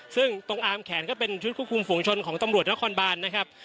ซึ่งตรงอามแขนก็เป็นชุดควบคุมฝุงชนของตำรวจนครบานนะครับ